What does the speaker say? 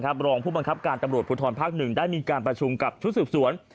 กับรองผู้บังคับการตำรวจพลุทธรพนิพนธ์๑ได้มีการประชุมกับชุดสูบสวน